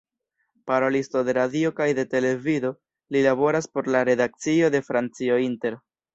Parolisto de radio kaj de televido, li laboras por la redakcio de Francio Inter.